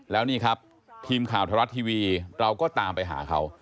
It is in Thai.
แล้วนี่ครับทีมข่าวธรรมรัฐทีวีเราก็ตามไปหาเขา